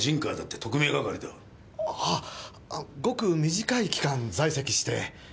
はあごく短い期間在籍して。